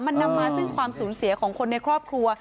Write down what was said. มันนำมาซึ่งความสูญเสียของคนในครอบครัว